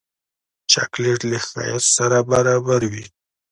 چاکلېټ له ښایست سره برابر وي.